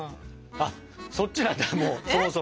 そっちなんだもうそもそも。